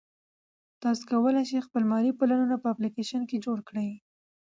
تاسو کولای شئ خپل مالي پلانونه په اپلیکیشن کې جوړ کړئ.